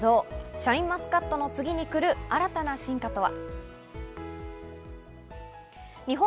シャインマスカットの次に来る新たな進化とは？